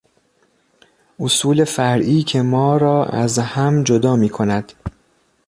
اصول فرعی که ما را از هم جدا میکند